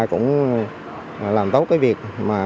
cũng làm tốt cái việc